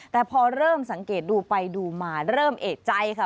แต่พอเริ่มสังเกตดูไปดูมาเริ่มเอกใจค่ะ